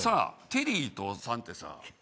テリー伊藤さんってさ